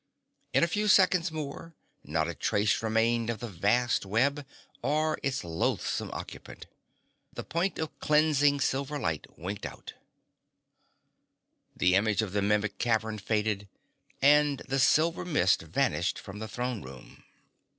In a few seconds more not a trace remained of the vast web or its loathsome occupant. The point of cleansing silver light winked out; the image of the Mimic cavern faded; and the silver mist vanished from the throne room.